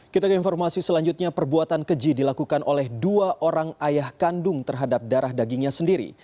kita ke informasi selanjutnya perbuatan keji dilakukan oleh dua orang ayah kandung terhadap darah dagingnya sendiri